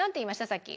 さっき。